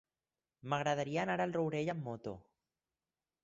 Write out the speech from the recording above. M'agradaria anar al Rourell amb moto.